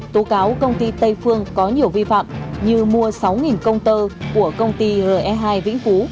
tố cáo công ty tây phương có nhiều vi phạm như mua sáu công tơ của công ty re hai vĩnh phú